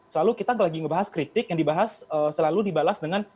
selalu kita lagi ngebahas kritik yang dibahas selalu dibalas dengan